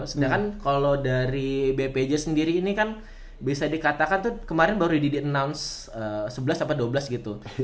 sedangkan kalau dari bpj sendiri ini kan bisa dikatakan tuh kemarin baru di announce sebelas sampai dua belas gitu